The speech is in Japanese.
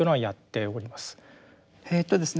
えとですね